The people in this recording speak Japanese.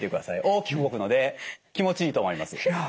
大きく動くので気持ちいいと思います。